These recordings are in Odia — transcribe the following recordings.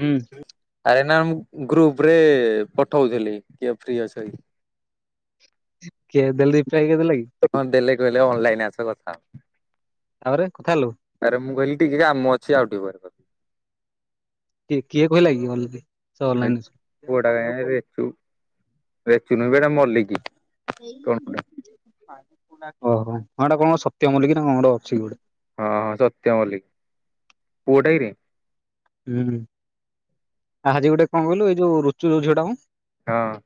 ହୁଁ। ଆରେ ନା ମୁଁ ଗ୍ରୁପ୍ ରେ ପଠଉଥିଲି କିଏ ଫ୍ରି ଅଛ କି। କିଏ ଦେଲେ ରିପ୍ଲାଏ କିଏ ଦେଲା କି? ହଁ ଦେଲେ କହିଲେ ଅନଲାଇନ୍ ଆସ କଥା ହବ। ତାପରେ କଥା ହେଲୁ? ଆରେ ମୁଁ କହିଲି ଟିକେ କାମ ଅଛି ଆଉ ଟିକେ ପରେ କ କିଏ କିଏ କହିଲା କି [unintelligible] ହେ ଅନଲାଇନ ଅଛି। ପୁଅଟା [inaudible] ରେଛୁ। ରେଚୁ ନୁହଁ ବେ ସେଟା ମଲିକି କଣ ଗୋଟେ। ଓହୋ, ହଁ ଏଟା କଣ ସତ୍ୟ ମଲିକି ନା କଣ ଗୋଟେ ଅଛି କି ଗୋଟେ। ହଁ ହଁ ସତ୍ୟ ମଲ୍ଲିକ, ପୁଅଟା କି ରେ? ଉଁ, ଆହାଜି ଗୋଟେ କଣ କହିଲୁ ଏଇ ଯୋଉ ରୁଚୁ ଯୋଉ ଝିଅ ଟା ମୋ। ହଁ।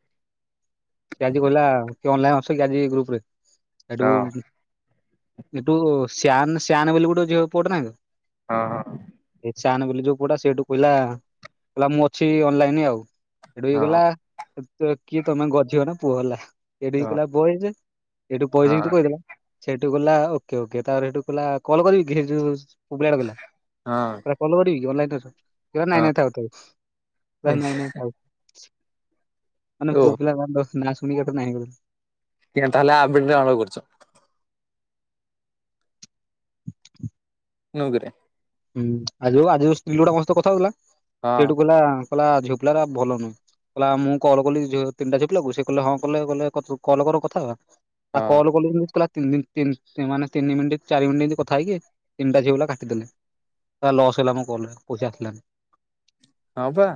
ସେ ଆଜି କହିଲା କିଏ ଅନଲାଇନ୍ ଅଛ କି ଆଜି ଗ୍ରୁପ୍ ରେ ସେଠୁ ହଁ ଏଠୁ ସ୍ୟାନ୍ ସ୍ୟାନ୍ ବୋଲି ଗୋଟେ ଝିଅ ପୁଅଟେ ନାହିଁ ବେ। ହଁ ହଁ। ଏ ଚାନ ବୋଲି ଯୋଉ ପୁଅଟା ସେଇଠୁ କହିଲା, କହିଲା ମୁଁ ଅଛି ଅନଲାଇନ ଆଉ। ସେଠୁ ଇଏ ହଁ ଗଲା କିଏ ତମେ ଗଧିବ ନା ପୁଅ ହେଲା। ହଁ ଏଇଠିକି କହିଲା ବଏଜ ଏଇଠୁ ବଏଜ ହଁ ଯେମିତି କହିଦେଲା ସେଇଠୁ ଗଲା ଓକେ ଓକେ ତାପରେ ସେଇଠୁ କହିଲା କଲ କରିବି କିରେ ହେ ଯୋଉ ପୁଅପିଲାଟା କହିଲା, ହଁ କହିଲା କଲ କରିବିକି ଅନଲାଇନରେ ଅଛ। ସେ କହିଲା ନାଇଁ ହଁ ନାଇଁ ଥାଉ ଥାଉ, ସେ ନାଇଁ ନାଇଁ ଥାଉ ମାନେ ଓ ପୁଅ ପିଲା ନାଁ ଶୁଣିକି ହେଠୁ ନାହିଁ କରି କିଆଁ ତାହଲେ ଆପ୍ ଟି ଡାଉନଲୋଡ କରୁଛ? ନୁହୁ କିରେ। ହୁଁ ଆଜି ଯଉ ଆଜି ଯଉ ସ୍ତ୍ରୀ ଲୋକଟା ମୋ ସହିତ କଥା ହଉଥିଲା ହଁ ସେଇଠୁ କହିଲା କହିଲା ଝିଅପିଲାରା ଭଲ ନୁହେଁ। କହିଲା ମୁଁ କଲ କଲି ଝିଅ ତିନିଟା ଝିଅ ପିଲାକୁ ସେ କହିଲା ହଁ କଲେ କଲେ କଲ କର କଥା ହବା। ହଁ ଆଉ କଲ କଲୁନି ତିନି ଦିନ ତିନ୍ ମାନେ ତିନିି ମିନିଟ୍ ଚାରି ମିନିଟ୍ ଏମିତି କଥା ହେଇକି ତିନ୍ଟା ଝିଅପିଲା କାଟିଦେଲେ। ପୁରା ଲସ୍ ହେଲା ମୋ କଲରା ପଇସା ଆସିଲାନି। ହଁ ବା।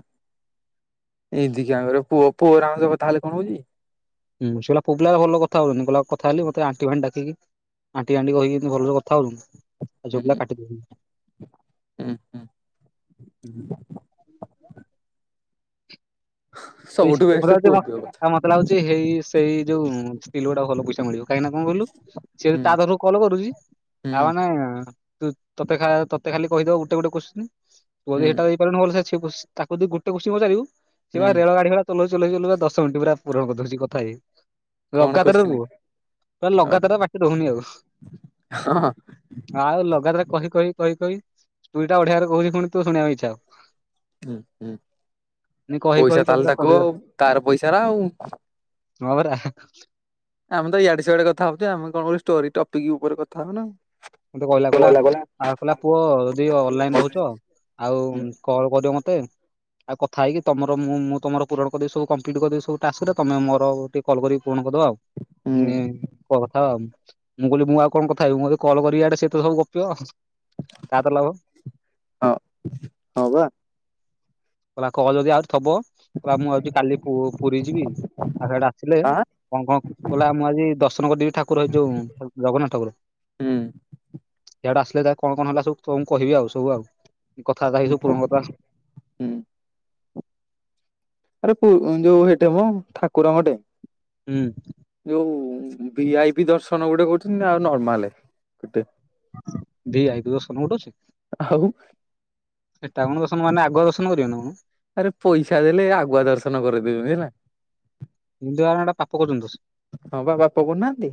ଏଡିଗିଆରେ ପୁଅ ପୁଆଗରେ କଥା ହେଲେ କଣ ହଉଛି। ହୁ ସେ କହିଲା ପୁଆପିଲା ଭଲ କଥା ହଉନି କଥା ହେଲି ମତେ ଆଣ୍ଟି ଫାଣ୍ଟି ଡାକିକି ଆଣ୍ଟି ଆଣ୍ଟି କହିକି ଭଲ କଥା ହଉନୁ। ହୁଁ ଆଉଝିଅ ପିଲା କାଟିଛ ହୁଁ ହୁଁ। [unintelligible] ସବୁଠୁ ବେଷ୍ଟ [unintelligible] ପୁଅ ପିଅ କଥା ମତେ ଲାଗୁଛି ହେଇ ସେଇ ଯୋଉ ସ୍ତ୍ରୀ ଲୋକଟା ଭଲ ପଇସା ମିଳିବ। କାହିଁକି ନା କଣ କହିଲୁ। ସିଏ ହୁଁ ତାପାଖକୁ କଲ କରିଦେଉଛି ହୁଁ ତା ମାନେ ତୁ ତତେଖା ତତେ ଖାଲି କହିଦବ ଗୋଟେ ଗୋଟେ କୋତ୍ସିନି। ହୁଁ କୋଡିଏଟା [unintelligible] ତାକୁ ଯଦି ଗୋଟେ କୋସିନି ପଚାରିବୁ। ହୁଁ। ଗାଡିଵାଲା ଚଲଉ ଚଲଉ କା ଦଶ ମିନିଟ ପୁରା ପୂରଣକରୀ ଦଉଛି କଥା ହେଇ। କଣ କୋଶ୍ଚିନି ଲଗାତାରଦବୁ ହଁ ଲଗାତରେ ବାଟରେ ରହୁନି ଆଉ। ଆଉ ଲଗାତାର କହି କହି କହି କହି ଦୁଇଟା ଓଢିଆ ଘର କହୁଛି ତୁ ଶୁଣିବାକୁ ଇଛା ହବ। ହଁ ହୁଁ ହବ କହି କହି ପଇସା କହି ତାହେଲେ ପୁରା ତାକୁ ସରିବ ଆଉ ତାର ପଇସା ନା ଆଉ। ମ ରା ଆମେ ତ ଇଆଡେ ସିଆଡେ କଥା ହଉଛେ ଆମେ କଣ ଆଉ ଷ୍ଟୋରି ଟପିକ ଉପରେ କଥା ହବ ନା। ମତେ କହିଲା ସେ କହିଲା ଗଲା ଗଲା ଆ କହିଲା ପୁଅ ଯଦି ଅନଲାଇନ ହୁଁ ରହୁଛ ଆଉ କଲ କରିଵୁ ମତେ। ଆଉ କଥା ହେଇକି ତମର ମୁଁ ମୁଁ ତମର ପୁରଣଦେବୁ କପ୍ଲିଟ କରିଦେବି ସବୁ ଟାସ୍କରେ ତମ ମୋର କଲ୍ କରିକି ପୁରଣକରିଦଵା ଆଉ। ହୁଁ, ହିଁ କଥା ଆଉ ମୁଁ କହିଲି ମୁଁ ଆଉ କଣ କଥା ହେବି ମୁଁ ଏବେ। କଲ୍ କରି ଆଡେ ସେ ତ ସବୁ ଗପିଵ ତା ତ ଲାଭ। ହଁ ହଁ ବା। କହିଲା କହ ଯଦି ଆର ଥବ ପରା ମୁଁ ଆଉ କାଲି ପୁ ପୁରୀ ଯିବି ଆଉ ସେଇଆଡୁ ଆସିଲେ ଆଁ କଣ କଣ କହିଲା ମୁଁ ଆଜି ଦର୍ଶନ କରିଦେବି ଠାକୁର ଏଯୋ ଯୋଉ ଜଗନ୍ନାଥ ଠାକୁର। ହୁଁ ଇଆଡେ ଆସିଲେ ତା କଣ କଣ ହେଲା ସବୁ ତୁମକୁ କହିବି ଆଉ। ସବୁ ଆଉ କଥାବାର୍ତ୍ତା ହେଇ ହୁଁ। ସବୁ ପୁୁରଣ କଥା ହୁଁ। ଆରେ ତୁ ଯୋଉ ଏଇଟେ ହମ ଠାକୁରଙ୍କଟେ। ହୁଁ। ଯୋଉ ଭି ଆଇ ବି ଦର୍ଶନ ଗୁଡେ କରୁଛନ୍ତି। ଆଉ ନର୍ମାଲ ଗୋଟେ। ଭିଆଇପି ଦର୍ଶନ ଗୋଟେ ଅଛି? ଆଉ ସେଇଟା କଣ ଦର୍ଶନ ମାନେ ଆଗ ଦର୍ଶନ କରିବେନା କଣ? ଆରେ ପଇସା ଦେଲେ ଆଗୁଆ ଦର୍ଶନ କରେଇଦେଵେ ହେଲା। ହିନ୍ଦୁ ମାନେ ଏଟା ପାପ କରୁଛନ୍ତି ଦୋଷ। ହଁ ବା ବାପା ବୋଉ ନାହାନ୍ତି।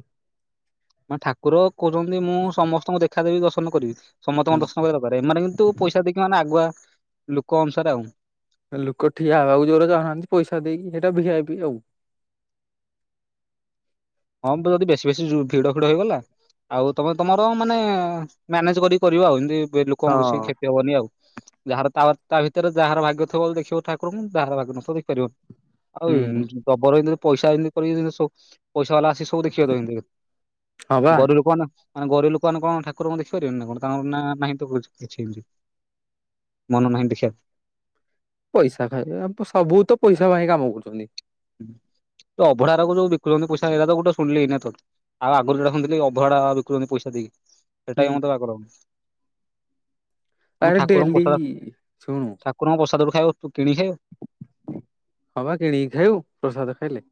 ମୁଁ ଠାକୁର କହୁଛନ୍ତି ମୁଁ ସମସ୍ତଙ୍କୁ ଦେଖାଦେବି ଦର୍ଶନ କରିବି, ସମସ୍ତଙ୍କର ହୁଁ ଦର୍ଶନ କରିବା ଏମାନେ କିନ୍ତୁ ପଇସା ଦେଇକି ମାନେ ଆଗୁଆ ଲୋକ ଅନୁସାରେ ଆଉ। ଲୋକ ଠିଆ ହେବାକୁ ଜୋରରେ ଚାହୁନାହାନ୍ତି ପଇସା ଦେଇକି ସେଇଟା ଭିଆଇପି ଆଉ। ହଁ ଯଦି ବେଶୀ ବେଶୀ ଭିଡ ଫିଡ ହେଇଗଲା ଆଉ ତମେ ତମର ମାନେ ମ୍ୟାନେଜ କରିକି କରିବ ଆଉ। ଏମତି ଲୋକଙ୍କ କିଛି ହଁ। କ୍ଷତି ହବନି ଆଉ। ଯାହାର ତା ଭିତରେ ଯାହାର ଭାଗ୍ୟ ଥିବ ବୋଲି ଦେଖିବ ଠାକୁରଙ୍କୁ, ଯାହାର ଭାଗ୍ୟ ନଥିଵ ଦେଖି ପାରିବନି। ଆଉ ହୁଁ ଜବର ଏମତି ପଇସା ଏମିତି କରି ପଇସା ବାଲା ଆସ ସବୁ ଦେଖିଆ କେମିତି? ହଁ ବା ଗରିଵ ଲୋକ ନା। ମାନେ କଣ ଗରିବ ଲୋକା ମାନେ କଣ ଠାକୁରଙ୍କୁ ଦେଖିପାରିବନି ନା କଣ ତାଙ୍କର ନାହିଁ କିଛି କିଛି। ମନ ନାହିଁ ଦେଖିଵାକୁ। ପଇସା ଖାଇ ଆ ସବୁ ତ ପଇସା ପାଇଁ କାମ କରୁଛନ୍ତି। ତ ଅଭଢା ଗୁରା ଯୋଉ ବିକୁଛନ୍ତି ପଇସା ହେ ତ ଗୋଟେ ଶୁିଣିଲି ଏଇନା ତୋଠୁ। ଆଉ ଆଗରୁ ଏଟା ଶୁଣିଥିଲି ଅଭଡା ବିକନ୍ତି ପଇସା ଦେଇକି, ସେଇଟା ହୁଁ ବି ମତେ ବାଗଲାଗୁନି। ମୁଁ ଆରେ ଠାକୁରଙ୍କ ଡେଲି ପ୍ରସାଦ ଶୁଣୁ ଠାକୁରଙ୍କ ପ୍ରସାଦ ଖାଇବ କିଣିକି ଖାଇବ। ହଁ ବା କିଣିକି ଖାଇବୁ ପ୍ରସାଦ ଖାଇଲେ।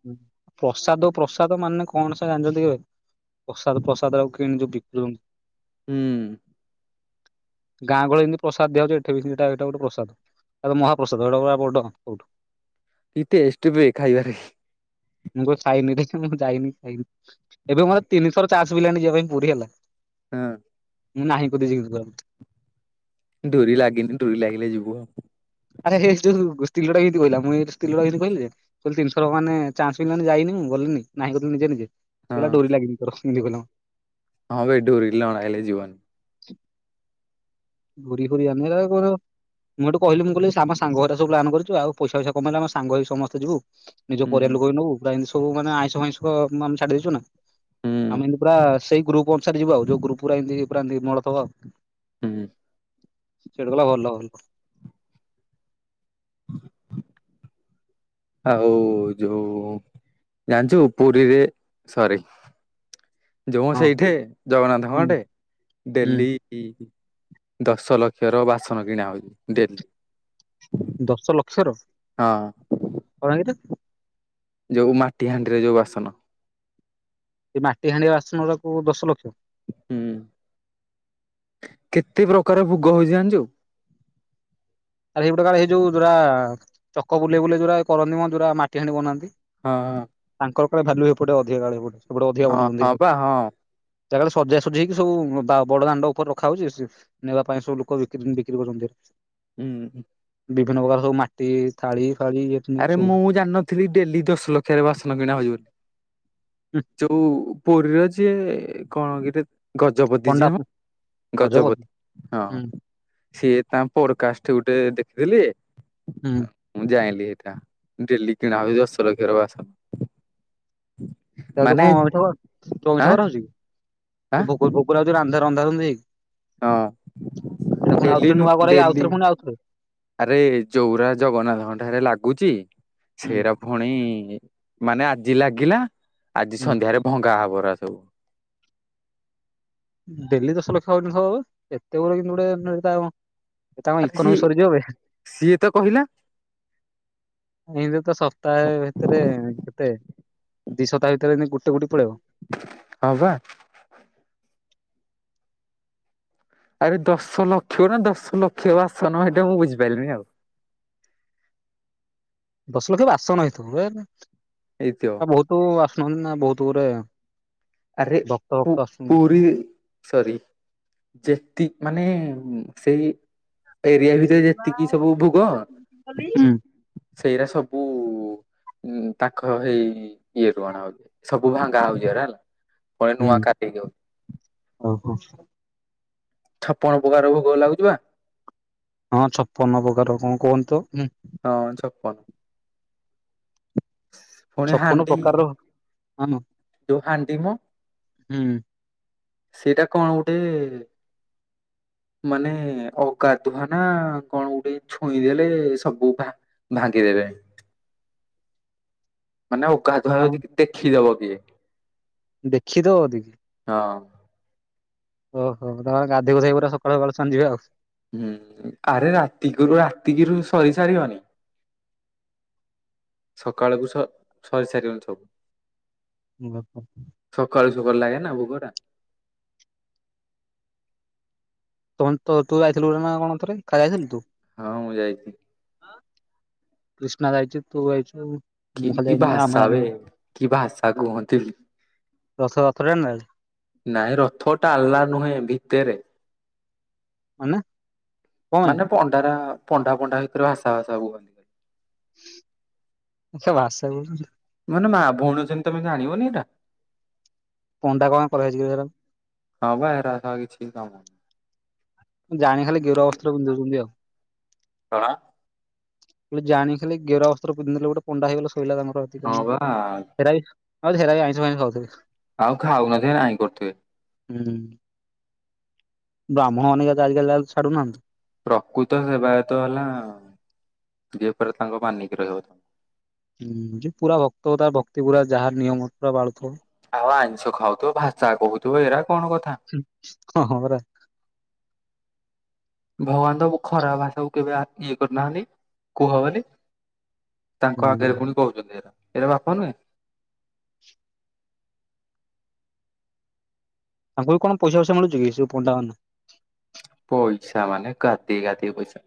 ପ୍ରସାଦ ପ୍ରସାଦ ମାନେ କଣ ସେ ଜାଣିଛନ୍ତି କି ଆଉ। ପ୍ରସାଦ ପ୍ରସାଦ ଆଉ କିଣି ଯୋଉ ବିକୁ ଛନ୍ତି। ହୁଁ। ଗାଁ ଗହଳି ରେ ଯେମିତି ପ୍ରସାଦ୍ ଦିଆହଉଛି ଏଠି ବି ସେମିତି ଏଟା ଗୋଟେ ପ୍ରସଦ୍। ଏଟା ମହାପ୍ରସଦ ଏଟା ପୁରା ବଡ ସେଉଠୁ। କି ଟେଷ୍ଟ୍ ବେ ଖାଇବାରେ। ମୁଁ କହିଲି ସାଇନି ରେ, ମୁଁ ଯାଇନି ଖାଇନି ଏବେ ମୋତେ ତିନିଥର ଚାଷ୍ ମିଳିଲାନି ଯିବା ପାଇଁ ପୁରୀ ହେଲା। ଏଁ। ନାହିଁ କରୁଛି ଗଲେ। ଡୋରି ଲାଗିନି ଡୋରି ଲାଗିଲେ ଯିବୁ ଆଉ। ଆରେ ହେ ଷ୍ଟୋ ଗୋ ସ୍ତ୍ରୀ ଲୋକ ଡ଼ା ଏମ୍ତି କଇଲା, ମୁଁ ଏ ସ୍ତ୍ରୀ ଲୋକଟା କୁ ଏମ୍ତି କହିବି? କୁଲ୍ ତିନ୍ଥର ମାନେ ଚାନ୍ସ୍ ମିଳି ଲାନି ଯାଇନି, ଗଲିନି ନାହିଁ କରଦେଲି ନିଜେ ନିଜେ। କଇଲା ହଁ ଡୋରି ଲାଗିନି ତୋର ଯିବୁନି। ହଁ ବେ ଡୋରି ନ ଲାଗିଲେ ଜୀବନି। [unintelligible] ମୁଁ ହେଠୁ କଇଲି, ମୁଁ କହିଲି ଆମ ସାଙ୍ଗ ହାରିକା ସବୁ୍ ପ୍ଲାନ୍ କରିଚୁ ଆଉ ପଇସା ଫଇସା କମେଇଲା ଆମେ ସାଙ୍ଗ ହେଇ ସମେସ୍ତେ ଯିବୁ। ନିଜ ହୁଁ ପରିବାର ଲୋକ ବି ନବୁ, ପ୍ରାଏ ଏମ୍ତି ସବୁ ମାନେ ଆଇଁଷ ଫାଇଁସ ଆମେ ଛାଡ଼ଦେଇଛୁ ନା। ହୁଁ ଆମେ ଏନ୍ତି ପୁରା ସେଇ ଗ୍ରୁପ୍ ଅନୁ ସାରେ ଯିବୁ ଆଉ। ଯୋଉ ଗ୍ରୁପ୍ ପୁରା ଏମ୍ତି ପୁରା ନିର୍ମଳ ଥବ। ହୁଁ ସେଡ଼ୁ ଗଲା ଭଲ ଭଲ। ଆଉ ଯୋଉ ଜାନ୍ଛୁ ପୁରୀରେ, ସରି। ଯୁମୁ ହଁ ସେଇଠି ଜଗନ୍ନାଥଙ୍କ ହୁଁ ଆଡ଼େ, ହୁଁ ଡେଲି ଇ ଦଶ ଲକ୍ଷ ର ବାସନ କିଣା ହୋଉଚି ଡେଲି। ଦସ ଲକ୍ଷ ର? ହଁ। [unintelligible] ଯୋଉ ମାଟି ହାଣ୍ଡିରେ ଯୋଉ ବାସନ। ଏ ମାଟି ହାଣ୍ଡି ବାସନରା କୁ ଦଶ ଲକ୍ଷ? ହୁଁ କେତେ ପ୍ରକାର ଭୁଗ ହଉଚି ଜାଣିଚୁ। ଆରେ ହେଇ ଗୁଟେ କା ହେଇ ଯୋଉ ଯୁରା ଚକ ବୁଲେେଇ ବୁଲେେଇ ଯୁରା କରନ୍ତି ମ ଯୁରା ମାଟି ହାଣ୍ଡି ବନାନ୍ତି। ହଁ ଅଁ। ତାଙ୍କର କାଳେ ଭାଲୁ ହେପଟେ ଅଧିକା କାଳେ ଅଧିକା ହଁ ବନଉଛନ୍ତି। ହଁ ବା ହଁ ଯା କାଳେ ସଜା ସୁଜି ହେଇକି ସବୁ ବା ବଡ଼ ଦାଣ୍ଡେ ଉପରେ ରଖା ହାଉଚି ଏସିସ୍ ନେବା ପାଇଁ ସବୁ ଲୋକ ବିକ୍ରି ବିକ୍ରି କରଚନ୍ତି। ଉଁ। ବିଭିନ୍ନ ପ୍ରକାର ସବୁ ମାଟି ଥାଳି ଫାଳି ଇଏ ଆରେ ମୁଁ ଜାଣିନଥିଲି ଡେଲି ଦଶ୍ ଲକ୍ଷାରେ ବାସନ କିଣା ହଉଚି ବୋଲି। ହୁଁ ଚୋଉ ପୁରୀର ଚିଏ କଣ କିରେ ଗଜପତି ପଣ୍ଡା ଯିଏ ମ ଗଜବ ଗଜପତି ହୁଁ ହଁ। ଥିଏ ତାଙ୍କ୍ ପୋଡ଼କାଷ୍ଟ୍ ଗୁଟେ ଦେଖିଥିଲି ଉଁ। ମୁଁ ଜାଇଁଲିି ହେଟା ଡେଲି କିଣା ହଉଚି ଦଶ ଲକ୍ଷର ବାସନ୍। ଯା ଚ କଁ ଅଇଁଠା କରା ଯୋ ଅଇଁଠା କରା ହଉଛି କି ଯୋଉ ଭୋଗ ଭୋଗ ରା ରନ୍ଧା ରନ୍ଧି ହେଇକି। ଆଁ ହଁ ଏଡ଼ା ପୁଣ୍ ଡେଲି ଆଉଥରେ ନୁ ନୂଆ କରାହେଇ ଡେଲି ଆଉଥରେ ପୁଣି ଆଉଥରେ ଆରେ ଯଉଗୁରା ଜଗନ୍ନାଥଙ୍କ ଠାରେ ଲାଗୁଛି ହୁଁ ସେରା ଫୁଣୀ ମାନେ ଆଜି ଲାଗିଲା ଆଜି ହୁଁ ସନ୍ଧ୍ୟାରେ ଭଙ୍ଗା ହବ ରା ସବୁ। ଡେଲି ଦଶ ଲକ୍ଷ ହେଉଚି ହବ ଏତେ ଗୁଡେ କିନ୍ତୁ ଗୋଟେ ତାଅ ଆରେ ସି ସିଏ ତ କହିଲା ଏନ୍ତି ତ ସପ୍ତାଏ ଭିତ୍ରେ କେତେ ଦି ସତା ଭିତରେ ଏମିତି ଗୋଟେ ଗୁଟି ପଳେଇବ। ଅଁ ବା। ଆରେ ଦଶ ଲକ୍ଷ ନା ଦଶ ଲକ୍ଷ ବାସନ ହେଇଟା ମୁଁ ବୁଝିପାର୍ଲିନି ଆଉ। ଦଶ୍ ଲକ୍ଷ ବାସନ ହେଇଥିବ ଏ ହେଇଥିମ। ବହୁତ ଆସୁନାହାନ୍ତି ନା ବହୁତ ଗୋରେ ଆରେ ପୁ ପୁରୀ ସରି ଯେତି ମାନେ ସେଇ ଏରିଆ ରେ ସେ ଯେତିକି ସବୁ ଭୋଗ ହୁଁ ସେଇରାା ସବୁ ଉଁ ତାଙ୍କ ହେଇ ଇଏ ରୁ କଣ ହଉଛି ସବୁ ଭାଙ୍ଗା ହଉଛିରା ହେଲା। ପଳେ ନୂଆ କାଟିଦିଅ? ଓ ହୋ। ଛପଣ ପକାର ଭୋଗ ଲାଗୁଛି ବା? ହଁ ଛପନ ପ୍ରକାର କଅଁ କୁହନ୍ତୁ ଉଁ। ହଁ ଛପୁ ପୁଣି ଛପନ ହାଣ୍ଡି ପ୍ରକାରର ହଁ ଯୋଉ ହାଣ୍ଟି ମ ହୁଁ। ସେଟା କଣ ଗୋଟେ ମାନେ ଅଗାଧୁଆ ନା କଣ ଗୋଟେ ଛୁଇଁଦେଲେ ସବୁ ଦ୍ଭା ଭାଙ୍ଗିଦେବେ। ମାନେ ଅଗାଧୁଆ ଆଉ ବେଳେ ଯଦିଦେଖିଦବ ଜିଏ। ଦେଖିଦବ ଯଦି? ହଁ। ଓହୋ! ତମେ ଗାଧେଇ ପାଧେଇ ପୁରା ସକାଳୁ ସକାଳୁ ଦର୍ଶନ ଯିବେ ଆଉ। ହୁଁ ଆରେ ରାତିରୁ ରାତିକିରୁ ସରି ସାରିବନି। ସକାଳକୁୁ ସ ସରିସାରିନଥିବ। ଉଁ ହୁଁ। ସକାଳୁ ସକାଳୁ ଲାଗେ ନା ଭୋଗ ଉରା। ତମେ ତ ତୁ ଯାଇଥିଲୁ ନା କଣ ଥରେ ଖାଲି ଯାଇଥିଲୁ ତୁ? ହଁ ମୁଁ ଯାଇଛି କୃଷ୍ଣା ଯାଇଛୁ ତୁ ଯାଇଛୁ। କି ମୁଁ ଖାଲି କି ଯାଇନି ଆମେ ଭାଷା ବେ ଯାଇନୁ କି ଭାଷା କୁହନ୍ତି। ରଥ ରଥ ଟାଣିଲା ବେଳେ ନାଇଁ ରଥ ଟାଲା ନୁହେଁ ଭିତରେ। ମାନେ କଣ ପାଇଁ। ମାନେ ପଣ୍ଡାରା ପଣ୍ଡା ପଣ୍ଡା ଭିତରେ ଭାଷା ଭା ସବୁ ଭାଷା [unintelligible] ମାନେ ମା ଭଉଣୀଅଛନ୍ତି ତମେ ଜାଣିବନି ଏଇଟା? ପଣ୍ଡା କଣ କରାହେଇଛି କେଜାଣି ହଁ ବା ହେରା କିଛି କାମ ଜାଣି ଖାଲି ଗେରୁଆ ବସ୍ତ୍ର ପିନ୍ଧଉଛନ୍ତି ଆଉ। କଣ ଜାଣିକି ଖାଲି ଗେରୁଆ ବସ୍ତ୍ର ପିନ୍ଧି ଦେଲେ ଗଟେ ପଣ୍ଡା ହେଗଲା ଶଇଲା ହଁ ତାଙ୍କର। ବା ହେରା ବି ହଁ ହେଇରା ବି ଆମିଷ ଫାଇଷ ଖାଉଥିବେ। ଆଉ ଖାଉନଥିବେ ନାଇଁ କରୁଥିବେ। ହୁଁ। ବ୍ରାହ୍ମଣ ହେରୀକା ଆଜିକାଲି ଛଡୁନାହାନ୍ତି। ପ୍ରକୃତ ସେବାୟତ ହେଲା ଯିଏ ପରା ତାଙ୍କ ମାନିକି ରହିବ। ହୁଁ ପୁରା ଭକ୍ତ ତାର ଭକ୍ତି ପୁରା ଯାହା ନିୟମ ପୁରା ପାଳୁଥିବ। ଆଉ ଆଇଁଷ ଖାଉଥିବ ଭାଷା କହୁଥିବ ଏରା କଣ କଥା। ହୁଁ ହଁ ପରା। ଭଗବାନ ତମକୁ ଖରାପ ଭାଷା କୁ କେବେ ଇଏ କରିନାହାନ୍ତି କୁହ ବୋଲି। ତାଙ୍କ ହୁଁ ଆଗରେ ପୁଣି କହୁଛନ୍ତି ଏରା ଏରା ପାପା ନୁହେଁ? ତାଙ୍କୁ ବି କଣ ପଇସାଫଇସା ମିଳୁ ଛି କି ପଣ୍ଡା ମାନଙ୍କୁ? ପଇସା ମାନେ ଗାଦିଏ ଗାଦିଏ ପଇସା।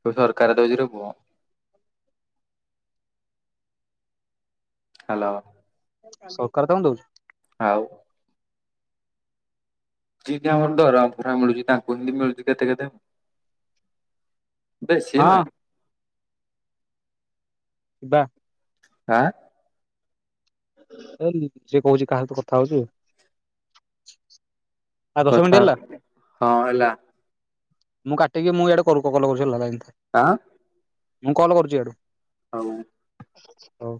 ସବୁ ସରକାର ଦଉଛି ରେ ପୁଅ। ହାଲୋ। ସରକାର ତାଙ୍କୁ ଦଉଛି? ଆଉ? ଜିି ଆମର ଦରମା ଫରମା ମିଳୁଛି ତାଙ୍କୁ ହିନ୍ଦୀ ମିଳୁଛି କେତେ କେତେ? ବେଶି ନୁହେଁ। ହଁ ଯିବା। ଆଁ। ହେଇ ସେ କହୁଛି କାହା ସହିତ କଥା ହଉଛୁ। ଆଉ ଦଶ ମିନିଟ୍ କଥା ହେଲା ହଁ ହେଲା ମୁଁ କାଟିକି ମୁଁ ଇଆଡେ କଲ କରୁଛି ହୋଲା ଲାଇନି ଥା। ଆଁ। ମୁଁ କଲ କରୁଛିୁ ଇଆଡୁ। ଆଉ। ହଉ।